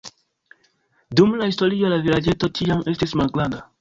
Dum la historio la vilaĝeto ĉiam estis malgranda.